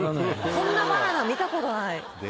こんなバナナ見たことない。